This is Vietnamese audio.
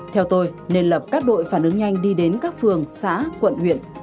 theo tôi nên lập các đội phản ứng nhanh đi đến các phường xã quận huyện